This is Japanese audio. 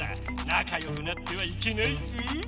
なかよくなってはいけないぞ。